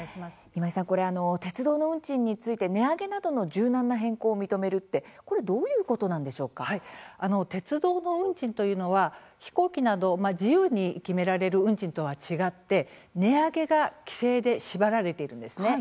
今井さん、これ鉄道の運賃について値上げなどの柔軟な変更を認めるって、これ鉄道の運賃というのは飛行機など自由に決められる運賃とは違って値上げが規制で縛られているんです。